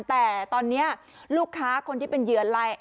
แต่ตอนนี้ลูกค้าคนที่เป็นเหยื่อไลน์